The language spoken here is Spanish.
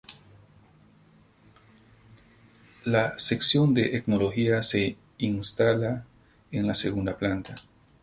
La sección de Etnología se instala en la segunda planta.